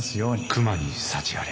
熊に幸あれ。